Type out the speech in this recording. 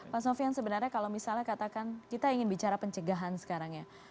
pak sofian sebenarnya kalau misalnya katakan kita ingin bicara pencegahan sekarang ya